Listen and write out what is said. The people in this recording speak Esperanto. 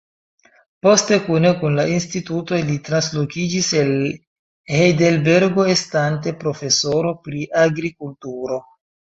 Poste kune kun la instituto li translokiĝis el Hejdelbergo estante profesoro pri agrikulturo.